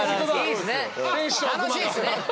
楽しいっすね。